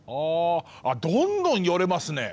ああどんどん寄れますね。